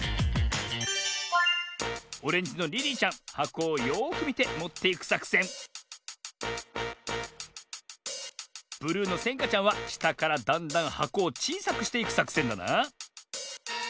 オレンジのリリーちゃんはこをよくみてもっていくさくせんブルーのせんかちゃんはしたからだんだんはこをちいさくしていくさくせんだな。